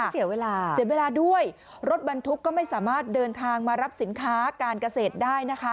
เสียเวลาเสียเวลาด้วยรถบรรทุกก็ไม่สามารถเดินทางมารับสินค้าการเกษตรได้นะคะ